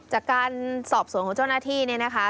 จากการสอบสวนของเจ้าหน้าที่เนี่ยนะคะ